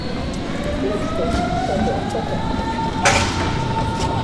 L'expérience s'avère catastrophique.